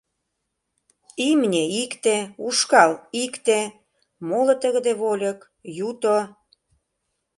Имне икте, ушкал икте, моло тыгыде вольык, юто.